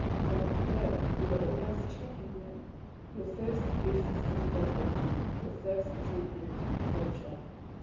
From birth you are always checking them, your first gifts are fetters, your first treatment, torture.